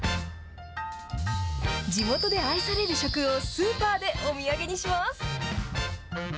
地元で愛される食をスーパーでお土産にします。